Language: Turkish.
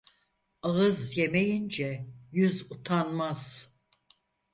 Ağız yemeyince yüz utanmaz.